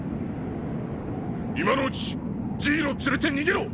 今のうちジイロ連れて逃げろ！